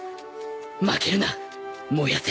負けるな燃やせ